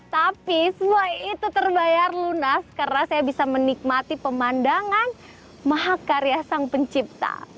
tapi semua itu terbayar lunas karena saya bisa menikmati pemandangan mahakarya sang pencipta